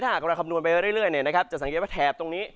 ถ้าหากเราคำนวณไปเรื่อยจะสังเกตว่าแถบตรงนี้